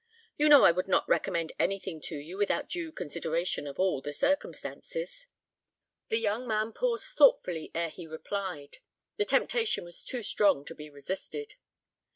You know I would not recommend anything to you without due consideration of all the circumstances." The young man paused thoughtfully ere he replied. The temptation was too strong to be resisted.